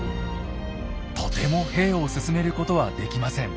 とても兵を進めることはできません。